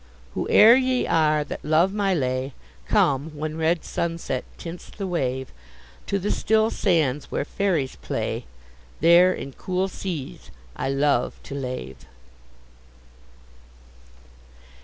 Whoe'er ye are that love my lay, Come, when red sunset tints the wave, To the still sands, where fairies play; There, in cool seas, I love to lave.